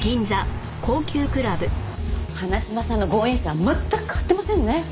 花島さんの強引さは全く変わってませんね。